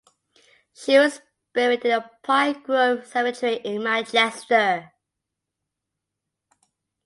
She was buried in the Pine Grove Cemetery in Manchester.